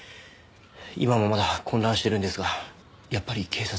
今もまだ混乱しているんですがやっぱり警察にと。